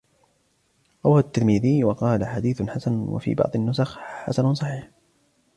رواه التِّرمذيّ، وقالَ حديثٌ حَسَنٌ. وفي بعضِ النُّسَخِ حسنٌ صحيحٌ.